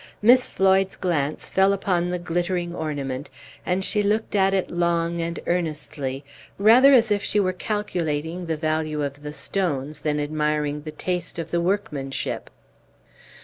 Miss Floyd's glance fell upon the glittering ornament, and she looked at it long and earnestly, rather as if she were calculating the value of the stones than admiring the taste of the workmanship.